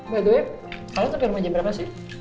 by the way kalian tapi rumah jam berapa sih